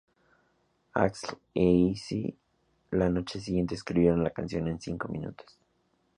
Axl e Izzy la noche siguiente escribieron la canción en cinco minutos.